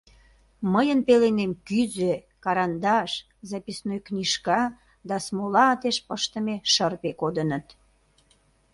Мыйын пеленем кӱзӧ, карандаш, записной книжка да смола атеш пыштыме шырпе кодыныт.